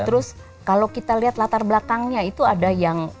terus kalau kita lihat latar belakangnya itu ada yang